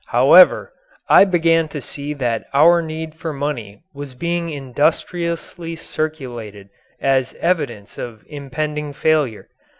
However, I began to see that our need for money was being industriously circulated as an evidence of impending failure.